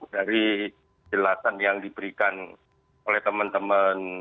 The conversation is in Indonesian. dari jelasan yang diberikan oleh teman teman